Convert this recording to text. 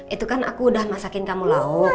itu kan aku udah masakin kamu lauk